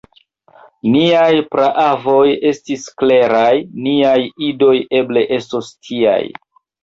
Niaj praavoj estis kleraj; niaj idoj eble estos tiaj.